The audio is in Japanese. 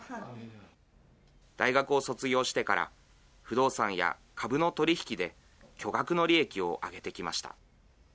大学を卒業してから、不動産や株の取り引きで、巨額の利益を上げてきました。